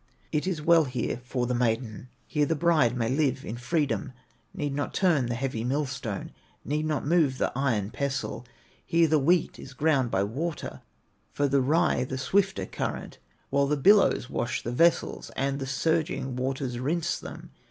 It is well here for the maiden, Here the bride may live in freedom, Need not turn the heavy millstone, Need not move the iron pestle; Here the wheat is ground by water, For the rye, the swifter current, While the billows wash the vessels And the surging waters rinse them.